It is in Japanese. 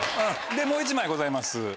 もう１枚ございます。